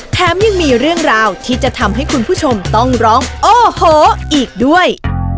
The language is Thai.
แถมยังมีเรื่องราวที่จะทำให้คุณผู้ชมต้องร้องโอ้โหอีกด้วย